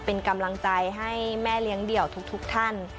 เป็นกำลังใจให้แม่เลี้ยงเดี่ยวทุกท่าน